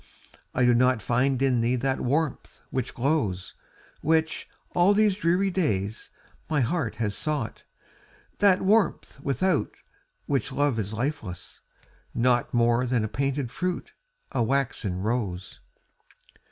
I do not find in thee that warmth which glows, Which, all these dreary days, my heart has sought, That warmth without which love is lifeless, naught More than a painted fruit, a waxen rose.